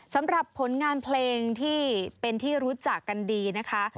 สำหรับผลงานเพลงที่เป็นที่รู้จักกันดีนะคะ